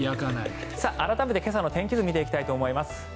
改めて今朝の天気図見ていきたいと思います。